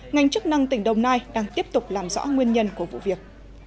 ngành chức năng tỉnh đồng nai đang tiếp tục làm rõ nguyên nhân của vụ việc